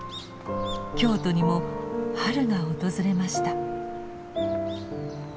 京都にも春が訪れました。